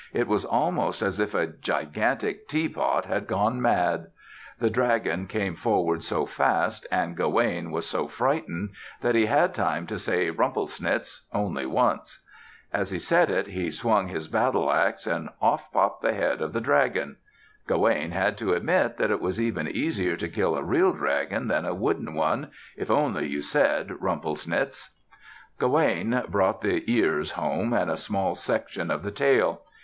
It was almost as if a gigantic teapot had gone mad. The dragon came forward so fast and Gawaine was so frightened that he had time to say "Rumplesnitz" only once. As he said it, he swung his battle ax and off popped the head of the dragon. Gawaine had to admit that it was even easier to kill a real dragon than a wooden one if only you said "Rumplesnitz." Gawaine brought the ears home and a small section of the tail.